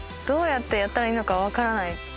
どうやってやったらいいのかわからない。